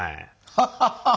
ハハハハ！